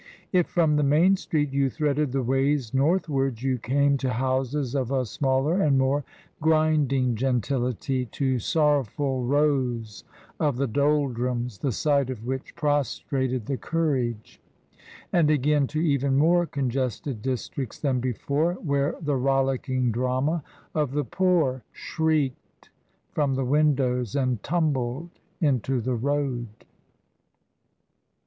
If from the main street you threaded the ways northwards you came to houses of a smaller and more grinding gentility, to sorrowful rows of the doldrums, the sight of which prostrated the courage; and again to even more congested districts than before, where the rollicking drama of the poor shrieked from the windows and tumbled in the road.